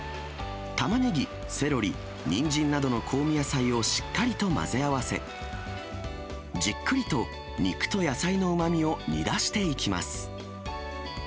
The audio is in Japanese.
タマネギ、セロリ、ニンジンなどの香味野菜をしっかりと混ぜ合わせ、じっくりと肉と野菜のうまみを煮出していきます。